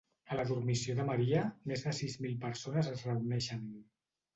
A la Dormició de Maria, més de sis mil persones es reuneixen.